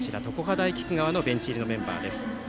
大菊川のベンチ入りのメンバーです。